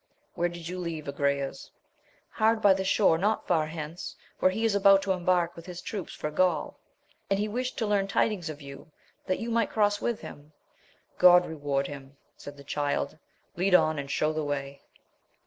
— ^Where did you leave Agrayes 1 — Hard by the shore, not far hence, where he is about to embark with liis troops for Gaul, and he wished to learn tidings of you, that you might cross with him. God reward him I said the Child, lead on and show the way.